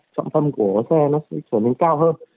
trọng tâm của xe nó sẽ trở nên cao hơn